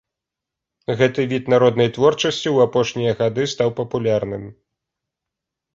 Гэты від народнай творчасці ў апошнія гады стаў папулярным.